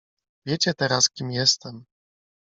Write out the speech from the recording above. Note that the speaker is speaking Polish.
"Wiecie teraz, kim jestem."